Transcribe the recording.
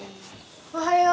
おはよう。